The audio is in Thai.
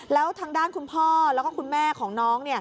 แล้วทางด้านคุณพ่อแล้วก็คุณแม่ของน้อง